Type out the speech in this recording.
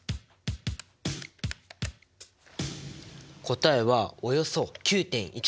答えはおよそ９．１％だ。